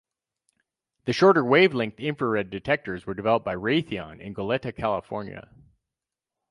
The shorter-wavelength infrared detectors were developed by Raytheon in Goleta, California.